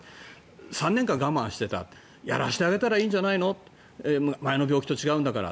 ３年間我慢していたやらせてあげたらいいんじゃないの前の病気と違うんだから。